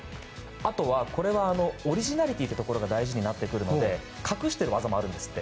あとはオリジナリティーが大事になってくるので隠してる技もあるんですって。